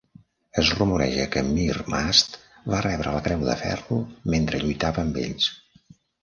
Es rumoreja que Mir Mast va rebre la Creu de Ferro mentre lluitava amb ells.